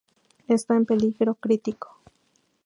Está en peligro crítico.